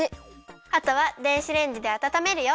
あとは電子レンジであたためるよ。